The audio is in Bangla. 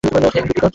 মে, আমি দুঃখিত।